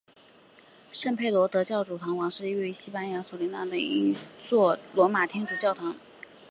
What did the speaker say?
圣佩德罗主教座堂是位于西班牙城市索里亚的一座罗马天主教的主教座堂。